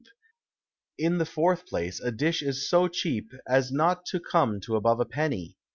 In the fourth place, a Dish is so cheap, as not to come to above a Penny.